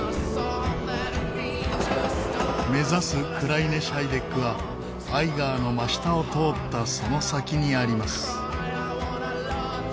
目指すクライネ・シャイデックはアイガーの真下を通ったその先にあります。